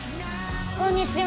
・こんにちは。